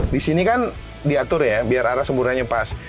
disini kan diatur ya biar arah sembuhnya pas